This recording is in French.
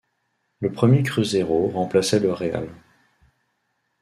Le premier cruzeiro remplaçait le real.